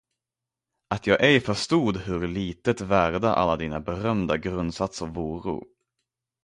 Att jag ej förstod huru litet värda alla dina berömda grundsatser voro.